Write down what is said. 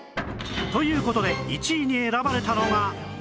という事で１位に選ばれたのが